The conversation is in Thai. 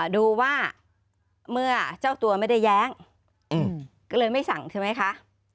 ดูว่าเมื่อเจ้าตัวไม่ได้แย้งก็เลยไม่สั่งใช่ไหมคะ